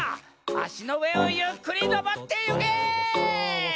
あしのうえをゆっくりのぼってゆけ！